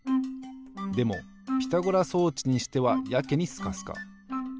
でもピタゴラ装置にしてはやけにスカスカ。